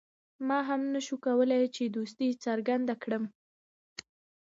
ما هم نه شو کولای چې دوستي څرګنده کړم.